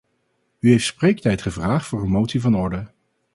U heeft spreektijd gevraagd voor een motie van orde.